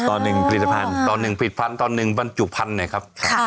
ต่อหนึ่งผลิตภัณฑ์ต่อหนึ่งบรรจุภัณฑ์เนี่ยครับ